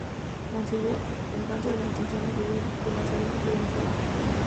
Monsieur, al tanto de las intenciones de huida de Mazarino le denunció a Gondi.